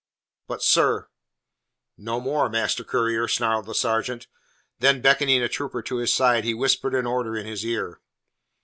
"But, sir " "No more, master courier," snarled the sergeant. Then, beckoning a trooper to his side, he whispered an order in his ear.